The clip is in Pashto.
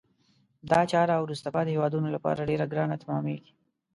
دا چاره وروسته پاتې هېوادونه لپاره ډیره ګرانه تمامیږي.